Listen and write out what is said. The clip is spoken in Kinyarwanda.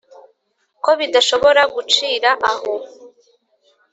ko bidashobora gucira aho.